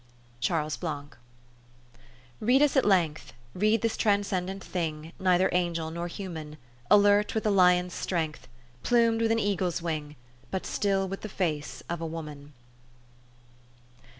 CHARLES BLANC. Bead us at length, Head this transcendent thing Neither angel nor human ; Alert with a lion's strength, Plumed with an eagle's wing, But still with the face of a woman.